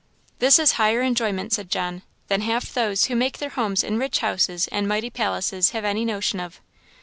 "This is higher enjoyment," said John, "than half those who make their homes in rich houses and mighty palaces have any notion of."